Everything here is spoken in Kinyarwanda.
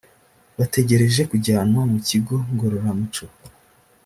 bategereje kujyanwa mu kigo ngororamuco